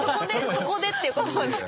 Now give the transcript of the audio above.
「そこで」っていう言葉をですか？